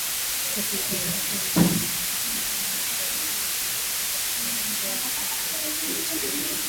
haki zao za msingi tunaamini hatua yoyote inayofanyika katika kutetea haki inahitaji muungano